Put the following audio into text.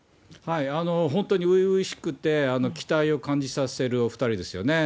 本当に初々しくって、期待を感じさせるお２人ですよね。